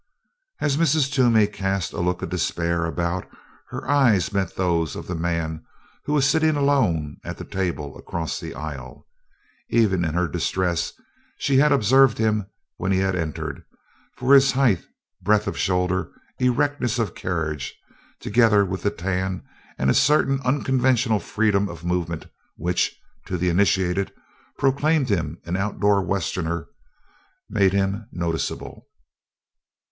As Mrs. Toomey cast a look of despair about, her eyes met those of the man who was sitting alone at the table across the aisle. Even in her distress she had observed him when he had entered, for his height, breadth of shoulder, erectness of carriage together with the tan and a certain unconventional freedom of movement which, to the initiated, proclaimed him an outdoor westerner, made him noticeable.